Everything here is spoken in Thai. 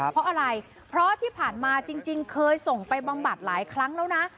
เพราะอะไรเพราะที่ผ่านมาจริงเคยส่งไปบำบัดหลายครั้งแล้วนะ